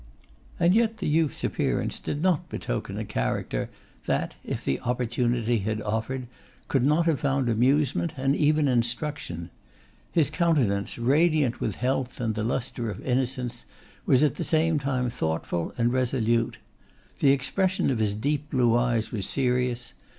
And yet the youth's appearance did not betoken a character that, if the opportunity had offered, could not have found amusement and even instruction. His countenance, radiant with health and the lustre of innocence, was at the same time thoughtful and resolute. The expression of his deep blue eyes was serious.